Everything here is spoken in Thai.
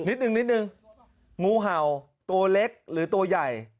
นิดนึงนิดนึงงูเห่าตัวเล็กหรือตัวใหญ่